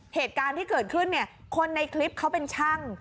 เหตุการณ์ที่เกิดขึ้นเนี่ยคนในคลิปเขาเป็นช่าง